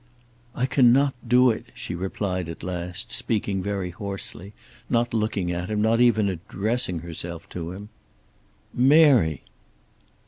"I cannot do it," she replied at last, speaking very hoarsely, not looking at him, not even addressing herself to him. "Mary!"